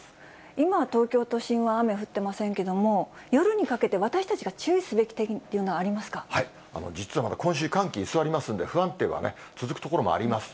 今、東京都心は雨降ってませんけども、夜にかけて、私たちが注意すべき実はまだ今週、寒気居座りますんで、不安定は続く所もあります。